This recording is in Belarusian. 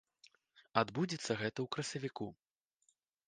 Адбудзецца гэта ў красавіку.